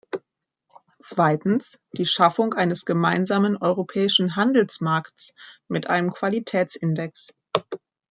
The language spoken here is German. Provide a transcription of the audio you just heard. Zweitens, die Schaffung eines gemeinsamen europäischen Handelsmarkts mit einem Qualitätsindex.